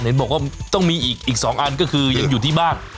เห็นบอกว่าต้องมีอีก๒อันก็คือยังอยู่ที่บ้าน